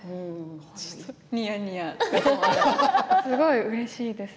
にやにやすごいうれしいです。